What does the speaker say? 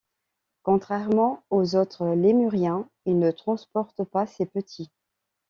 Contrairement aux autres lémuriens, il ne transporte pas ses petits.